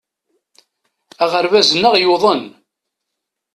Aɣerbaz-nneɣ yuḍen.